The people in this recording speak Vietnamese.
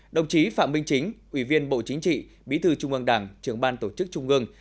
đồng chí phạm minh chính ủy viên bộ chính trị bí thư trung ương đảng trưởng ban tổ chức trung ương